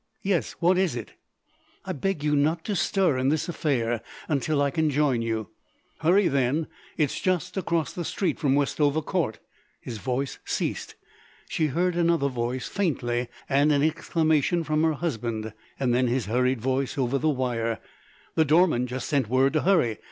Yes, what is it?" "I beg you not to stir in this affair until I can join you——" "Hurry then. It's just across the street from Westover Court——" His voice ceased; she heard another voice, faintly, and an exclamation from her husband; then his hurried voice over the wire: "The doorman just sent word to hurry.